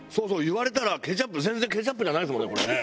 言われたらケチャップ全然ケチャップじゃないですもんね